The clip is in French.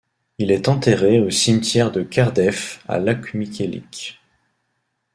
Il est enterré au cimetière de Kerdeff à Locmiquélic.